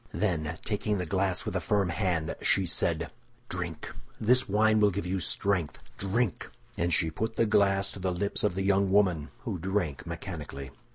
Then, taking the glass with a firm hand, she said, "Drink. This wine will give you strength, drink!" And she put the glass to the lips of the young woman, who drank mechanically.